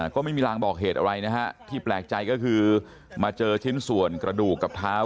ก็ไม่มีรางบอกเหตุอะไรนะฮะที่แปลกใจก็คือมาเจอชิ้นส่วนกระดูกกับเท้า